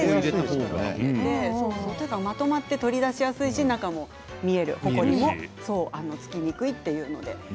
まとまって取り出しやすいし中も見えるほこりもつきにくいということで。